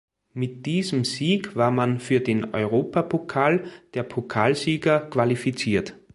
Mit diesem Sieg war man für den Europapokal der Pokalsieger qualifiziert.